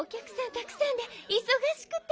たくさんでいそがしくて。